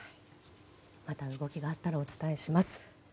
また動きがあったらお伝えします。